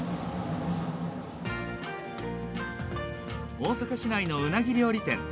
大阪市内のウナギ料理店。